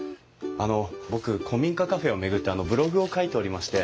あの僕古民家カフェを巡ってブログを書いておりまして。